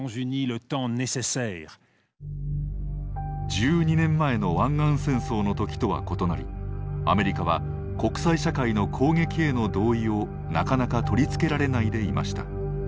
１２年前の湾岸戦争の時とは異なりアメリカは国際社会の攻撃への同意をなかなか取り付けられないでいました。